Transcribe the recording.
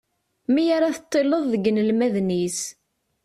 Mi ara teṭṭileḍ deg yinelmaden-is.